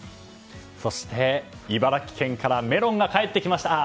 そして、茨城県からメロンが帰ってきました！